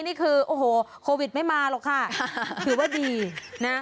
นี่คือโอ้โหโควิดไม่มาหรอกค่ะถือว่าดีนะ